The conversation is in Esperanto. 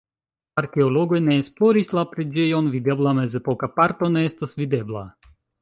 Arkeologoj ne esploris la preĝejon, videbla mezepoka parto ne estas videbla.